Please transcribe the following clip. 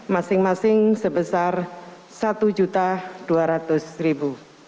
masing masing sebesar rp satu dua ratus